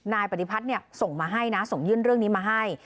นายปฏิพัฒน์ส่งยื่นเรื่องนี้มาให้